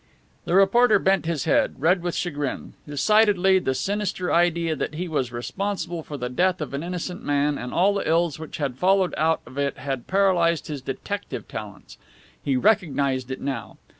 The reporter bent his head, red with chagrin. Decidedly the sinister idea that he was responsible for the death of an innocent man and all the ills which had followed out of it had paralyzed his detective talents. He recognized it now.